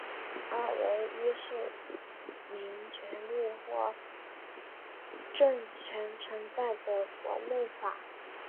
二为依市民权利或政权存在的国内法。